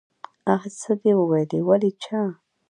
آ څه دې وويلې ولې چا.